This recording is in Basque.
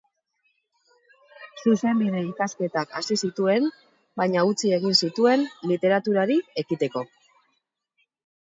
Zuzenbide ikasketak hasi zituen, baina utzi egin zituen literaturari ekiteko.